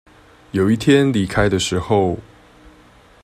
有一天離開的時候